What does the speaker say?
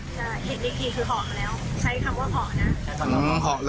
จะเห็นอีกทีคือห่อมาแล้วใช้คำว่าเหาะนะ